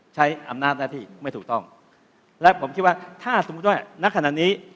ใช้อำนาจหน้าที่ไม่ถูกต้องและผมคิดว่าถ้าสมมุติว่าณขณะนี้